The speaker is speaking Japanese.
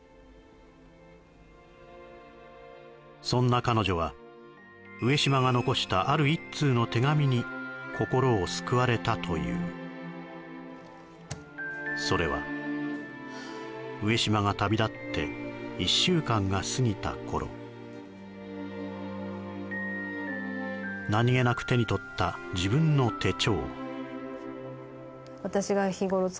そんな彼女は上島が残したある一通の手紙に心を救われたというそれは上島が旅立って１週間が過ぎた頃何げなく手にとった自分の手帳